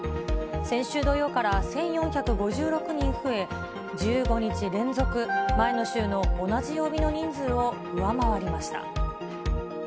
先週土曜から１４５６人増え、１５日連続、前の週の同じ曜日の人数を上回りました。